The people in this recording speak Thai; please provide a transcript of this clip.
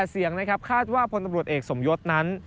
เสียงนะครับคาดว่าพลตำรวจเอกสมยศนั้น